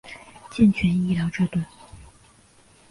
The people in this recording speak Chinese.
健全医疗制度